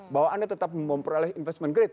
bahwa anda tetap memperoleh investment grade